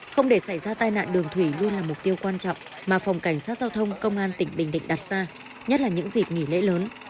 không để xảy ra tai nạn đường thủy luôn là mục tiêu quan trọng mà phòng cảnh sát giao thông công an tỉnh bình định đặt ra nhất là những dịp nghỉ lễ lớn